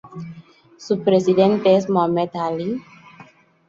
Su presidente es Mohamed Alí.